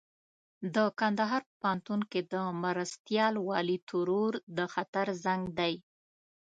د کندهار په پوهنتون کې د مرستيال والي ترور د خطر زنګ دی.